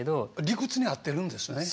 理屈に合ってるんですね。